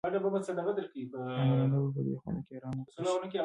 آیا مېلمانه به په دې خونه کې ارام وکړای شي؟